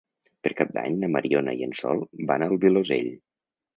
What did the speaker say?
Per Cap d'Any na Mariona i en Sol van al Vilosell.